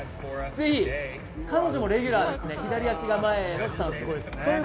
ぜひ彼女もレギュラーですね